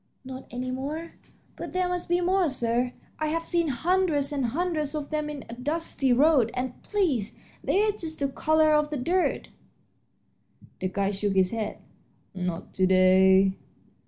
"Not any more? But there must be more, sir; I've seen hundreds and hundreds of them on a dusty road, and, please, they're just the color of the dirt." The guide shook his head. "Not to day."